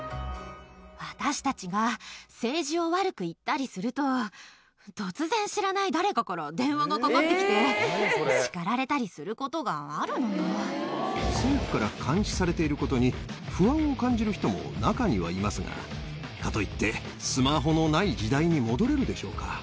私たちは政治を悪く言ったりすると、突然、知らない誰かから電話がかかってきて、政府から監視されていることに、不安を感じる人も中にはいますが、かといって、スマホのない時代に戻れるでしょうか。